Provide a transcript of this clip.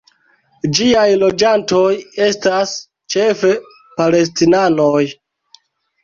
Ĝiaj loĝantoj estas ĉefe palestinanoj.